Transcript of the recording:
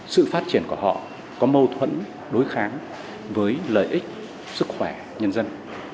sự phát triển của họ có mâu thuẫn đối kháng với lợi ích sức khỏe nhân dân